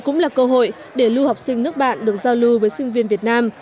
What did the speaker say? cũng là cơ hội để lưu học sinh nước bạn được giao lưu với sinh viên việt nam